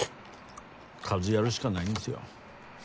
数やるしかないんですよ。